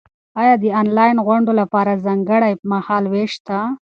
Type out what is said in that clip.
ایا د انلاین غونډو لپاره ځانګړی مهال وېش شته؟